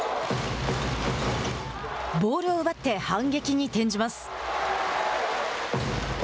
ボールを奪って反撃に転じます。